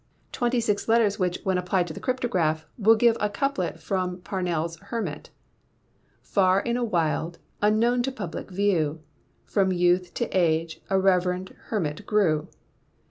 twenty six letters which, when applied to the cryptograph, will give a couplet from Parnell's "Hermit": "Far in a wild, unknown to public view, From youth to age a reverend hermit grew."